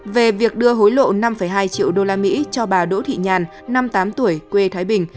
về việc đưa hối lộ năm hai triệu usd cho bà đỗ thị nhàn năm mươi tám tuổi quê thái bình